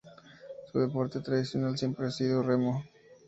Su deporte tradicional siempre ha sido el remo.